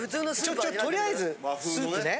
ちょとりあえずスープね。